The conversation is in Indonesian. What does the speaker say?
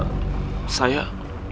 bisa lebih kimi